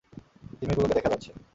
তিমিগুলোকে দেখা যাচ্ছে।